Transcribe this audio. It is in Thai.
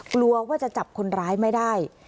กลัวว่าจะจับคนร้ายไม่ได้